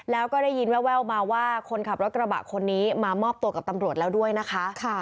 แล้วก็ได้ยินแววมาว่าคนขับรถกระบะคนนี้มามอบตัวกับตำรวจแล้วด้วยนะคะ